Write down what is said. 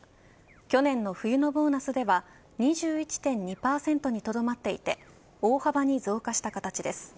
去年の冬のボーナスでは２１．２％にとどまっていて大幅に増加した形です。